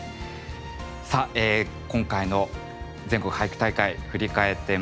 さあ今回の全国俳句大会振り返ってまいりました。